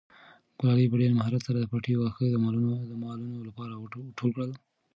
ګلالۍ په ډېر مهارت سره د پټي واښه د مالونو لپاره ټول کړل.